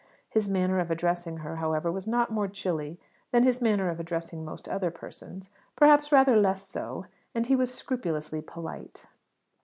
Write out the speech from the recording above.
His manner of addressing her, however, was not more chilly than his manner of addressing most other persons perhaps rather less so; and he was scrupulously polite.